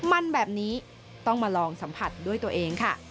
มันแบบนี้ต้องมาลองสัมผัสด้วยตัวเองค่ะ